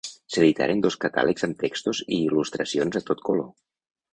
S’editaren dos catàlegs amb textos i il·lustracions a tot color.